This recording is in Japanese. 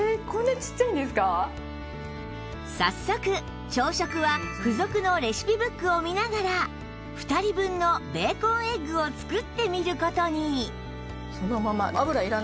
早速朝食は付属のレシピブックを見ながら２人分のベーコンエッグを作ってみる事に